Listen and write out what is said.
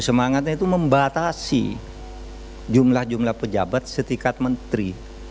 semangatnya itu membatasi jumlah jumlah pejabat setingkat menteri